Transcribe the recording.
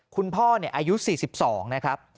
คุณพ่ออายุ๔๒นะครับ